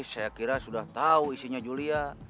saya kira sudah tahu isinya julia